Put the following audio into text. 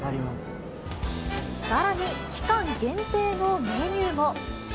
さらに、期間限定のメニューも。